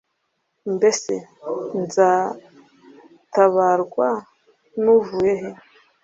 mbese nzatabarwa n'uvuye he